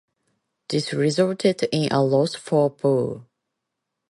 This resulted in a loss for Bull.